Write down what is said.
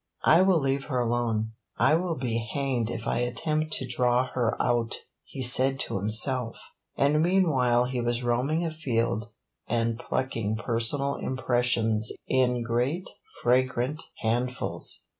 "I will leave her alone I will be hanged if I attempt to draw her out!" he said to himself; and meanwhile he was roaming afield and plucking personal impressions in great fragrant handfuls.